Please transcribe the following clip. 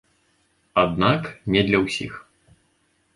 Аднак не для ўсіх.